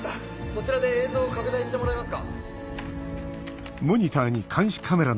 そちらで映像を拡大してもらえますか？